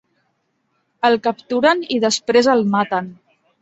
El capturen i després el maten.